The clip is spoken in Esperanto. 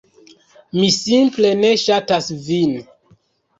Mi simple ne ŝatas vin.